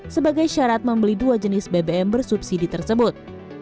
sebagai syarat membeli dua jenis bbm bersubsidi tersebut